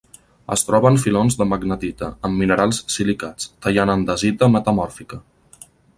Es troba en filons de magnetita, amb minerals silicats, tallant andesita metamòrfica.